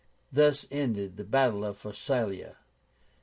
Thus ended the battle of Pharsalia.